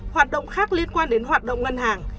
hoạt động khác liên quan đến hoạt động ngân hàng